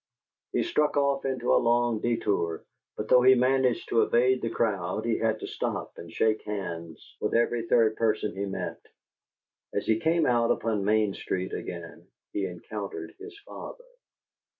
He struck off into a long detour, but though he managed to evade the crowd, he had to stop and shake hands with every third person he met. As he came out upon Main Street again, he encountered his father.